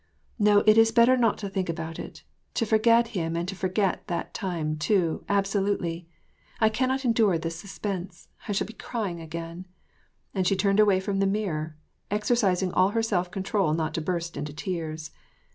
— No, it is better not to think about it, to forget him, and to forget that time, too, absolutely. I cannot endure this suspense. I shall be crying again," — and she turned away from the mirror, exercising all her self con trol not to burst into tears.